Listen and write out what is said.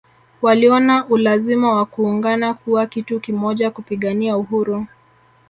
Waliona ulazima wa kuungana kuwa kitu kimoja kupigania uhuru